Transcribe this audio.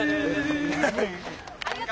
ありがとう！